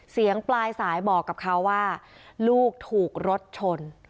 ปลายสายบอกกับเขาว่าลูกถูกรถชน